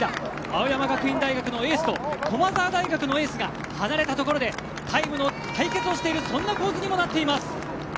青山学院大学のエースと駒澤大学のエースが離れたところでタイムの対決をしているそんな構図にもなっています。